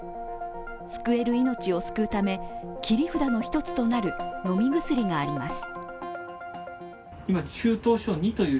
救える命を救うため、切り札の一つとなる飲み薬があります。